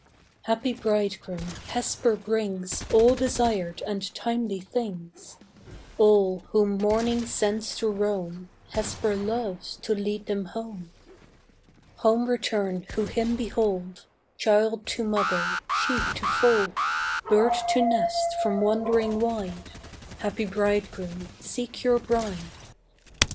Happy bridegroom, Hesper brings All desired and timely things. All whom morning sends to roam, Hesper loves to lead them home. Home return who him behold, Child to mother, sheep to fold, Bird to nest from wandering wide: Happy bridegroom, seek your bride.